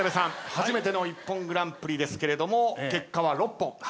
初めての『ＩＰＰＯＮグランプリ』ですけれども結果は６本。